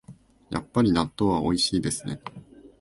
やっぱり納豆はおいしいですね